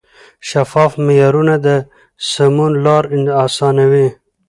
شفاف معیارونه د سمون لار اسانه کوي.